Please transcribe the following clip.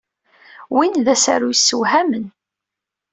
Win d asaru yessewhamen.